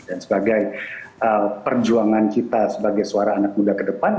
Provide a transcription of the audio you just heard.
dan sebagai perjuangan kita sebagai suara anak muda ke depan